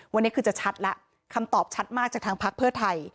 วันนี้คือจะชัดแล้วคำตอบชัดมากจากทางพักเพื่อไทย